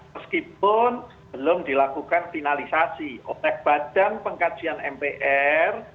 meskipun belum dilakukan finalisasi oleh badan pengkajian mpr